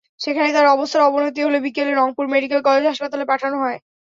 সেখানে তার অবস্থার অবনতি হলে বিকেলে রংপুর মেডিকেল কলেজ হাসপাতালে পাঠানো হয়।